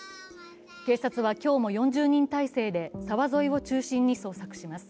警察は今日も４０人態勢で沢沿いを中心に捜索します。